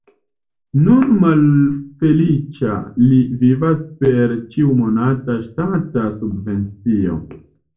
Nun malfeliĉa li vivas per ĉiumonata ŝtata subvencio.